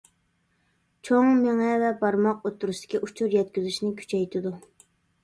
چوڭ مېڭە ۋە بارماق ئوتتۇرىسىدىكى ئۇچۇر يەتكۈزۈشنى كۈچەيتىدۇ.